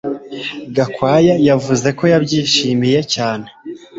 Gakwaya yavuze ko yabyishimiye cyane